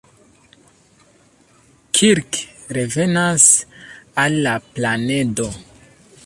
Kirk revenas al la planedo.